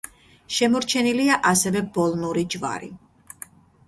შემორჩენილია ასევე ბოლნური ჯვარი.